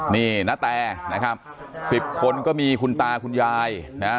นี่ณแตนะครับสิบคนก็มีคุณตาคุณยายนะฮะ